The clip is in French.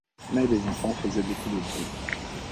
Mais les enfants faisaient beaucoup de bruit.